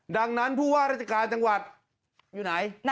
ดังนั้นผู้ว่าราชการจังหวัดอยู่ไหน